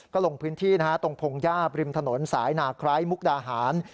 ก็ลงพื้นที่ตรงพงหญ้าบริมถนนสายนาไคร้มุกดาหาร